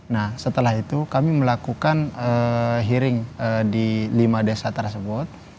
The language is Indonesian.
nah setelah itu kami melakukan hearing di lima desa tersebut